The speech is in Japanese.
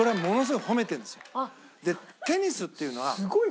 テニスっていうのは。